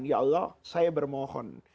ya allah saya bermohon